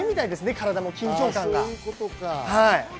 体も緊張感が。